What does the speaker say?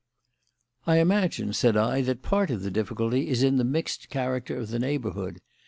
"I imagine," said I, "that part of the difficulty is in the mixed character of the neighbourhood.